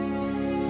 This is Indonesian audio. ayah yang memaksamu